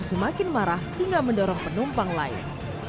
semakin marah hingga mendorong penumpang lain